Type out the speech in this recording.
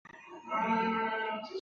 广东丙子乡试。